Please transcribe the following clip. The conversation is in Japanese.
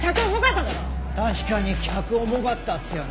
確かに客重かったっすよね。